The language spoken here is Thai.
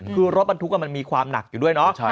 คือรถบรรทุกมันมีความหนักอยู่ด้วยเนาะ